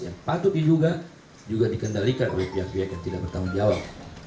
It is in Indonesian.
yang patut diduga juga dikendalikan oleh pihak pihak yang tidak bertanggung jawab